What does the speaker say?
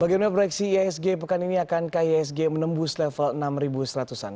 bagiannya proyeksi iisg pekan ini akan ke iisg menembus level enam seratus an